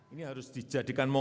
ini harus dijadikan maksimal